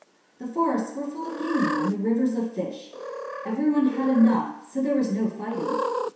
The forests were full of game, and the rivers of fish : every one had enough, so there was no fighting.